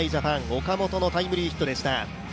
岡本のタイムリーヒットでした。